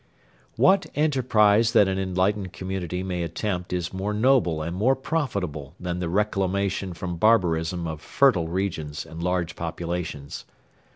What enterprise that an enlightened community may attempt is more noble and more profitable than the reclamation from barbarism of fertile regions and large populations?